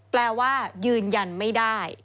แปลว่ายืนยันไม่ได้